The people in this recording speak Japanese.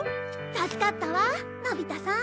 助かったわのび太さん。